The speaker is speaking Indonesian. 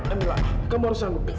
emila kamu harus sanggup